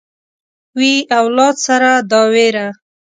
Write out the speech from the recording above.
وي اولاد سره دا وېره